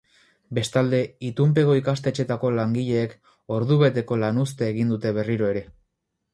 Bestalde, itunpeko ikastetxeetako langileek ordubeteko lanuztea egin dute berriro ere.